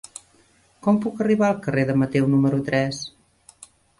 Com puc arribar al carrer de Mateu número tres?